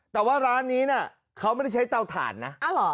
แต่ว่าร้านนี้เขาไม่ได้ใช้เตาถ่านนะ